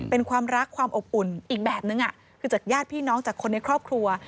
เป็นความรักความอบอุ่นอีกแบบนึงคือจากญาติพี่น้องจากคนในครอบครัว